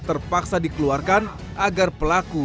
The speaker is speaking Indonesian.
terpaksa dikeluarkan agar pelaku